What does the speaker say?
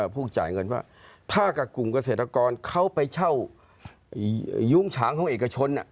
พวกจ่ายเงินว่าถ้ากับกลุ่มเกษตรกรเขาไปเช่ายุ้งฉางของเอกชน